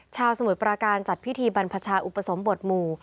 สมุทรปราการจัดพิธีบรรพชาอุปสมบทหมู่